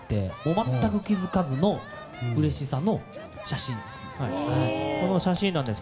全く気付かずのうれしさの写真です。